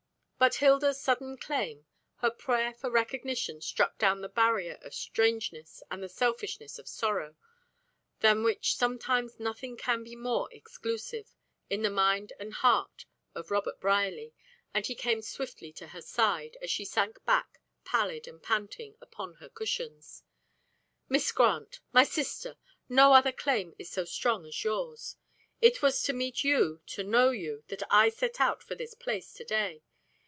But Hilda's sudden claim, her prayer for recognition struck down the barrier of strangeness and the selfishness of sorrow, than which sometimes nothing can be more exclusive, in the mind and heart of Robert Brierly, and he came swiftly to her side, as she sank back, pallid and panting, upon her cushions. "Miss Grant, my sister; no other claim is so strong as yours. It was to meet you, to know you, that I set out for this place to day.